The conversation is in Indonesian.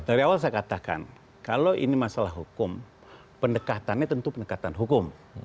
dari awal saya katakan kalau ini masalah hukum pendekatannya tentu pendekatan hukum